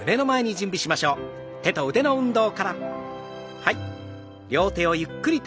はい。